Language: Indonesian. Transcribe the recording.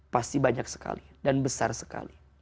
pasti banyak sekali dan besar sekali